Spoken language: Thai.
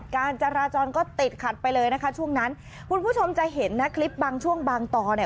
การจราจรก็ติดขัดไปเลยนะคะช่วงนั้นคุณผู้ชมจะเห็นนะคลิปบางช่วงบางตอนเนี่ย